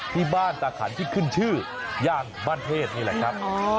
ที่บ้านตาขันที่ขึ้นชื่อย่างบ้านเทศนี่แหละครับ